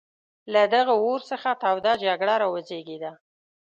له دغه اور څخه توده جګړه را وزېږېده.